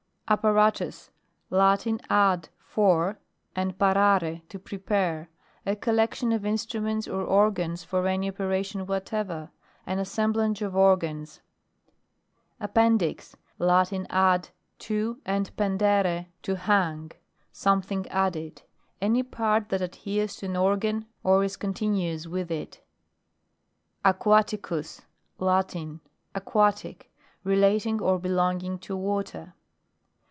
APPARATUS. Latin, ad, for, and par ore to prepare: a collection of in struments or organs for any opera tion whatever. An assemblage of organs. APPENDIX. Latin ad, to, and pendere to hang : something added. Any part that adheres to an organ, or is continuous with it. AQUATICUS. Latin. Aquatic. Rela ting or belonging to water.